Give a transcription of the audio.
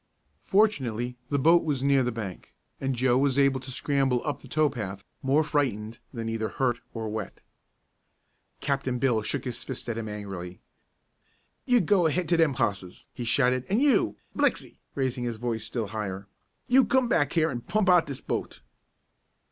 Fortunately the boat was near the bank, and Joe was able to scramble up the tow path, more frightened than either hurt or wet. Captain Bill shook his fist at him angrily. "You go ahead to them hosses," he shouted; "and you, Blixey," raising his voice still higher, "you come back here an' pump out this boat!"